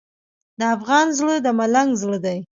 د افغان زړه د ملنګ زړه دی.